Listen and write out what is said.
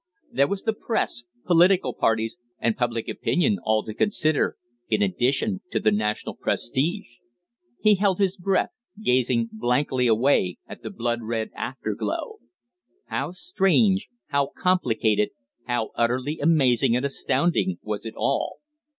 There was the press, political parties and public opinion all to consider, in addition to the national prestige. He held his breath, gazing blankly away at the blood red afterglow. How strange, how complicated, how utterly amazing and astounding was it all.